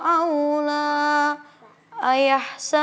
aku mau bekerja